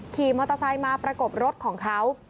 ขี่มอเตอร์ไซค์มาประกบรถของเขา